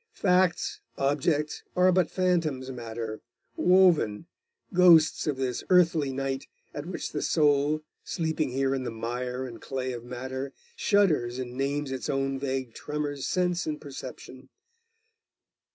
Facts, objects, are but phantoms matter woven ghosts of this earthly night, at which the soul, sleeping here in the mire and clay of matter, shudders and names its own vague tremors sense and perception.